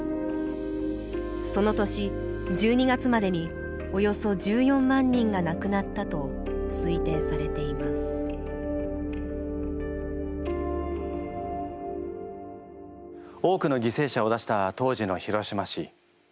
その年１２月までにおよそ１４万人がなくなったと推定されています多くの犠牲者を出した当時の広島市。